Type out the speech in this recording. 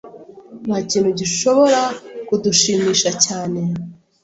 Ntakintu gishobora kudushimisha cyane.